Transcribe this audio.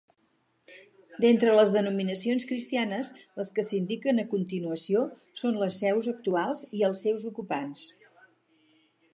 D'entre les denominacions cristianes, les que s'indiquen a continuació són les seus actuals i els seus ocupants.